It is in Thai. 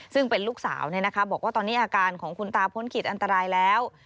ซึ่งเป็นลูกสาวบอกว่าตอนนี้อาการของคุณตาพ้นขีดอันตรายแล้ว